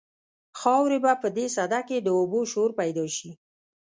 خاورې به په دې سده کې د اوبو شور پیدا شي.